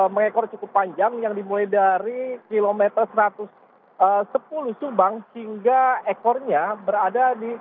mengekor cukup panjang yang dimulai dari kilometer satu ratus sepuluh subang hingga ekornya berada di